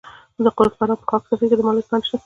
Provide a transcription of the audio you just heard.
د فراه په خاک سفید کې د مالګې کان شته.